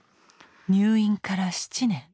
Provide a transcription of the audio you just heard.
入院から７年。